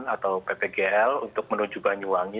pusat penelitian geologi kelautan atau ppgl untuk menuju banyuwangi